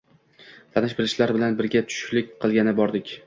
Tanish-bilishlar bilan birga tushlik qilgani bordik.